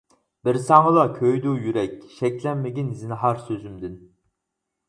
بىر ساڭىلا كۆيىدۇ يۈرەك، شەكلەنمىگىن زىنھار سۆزۈمدىن.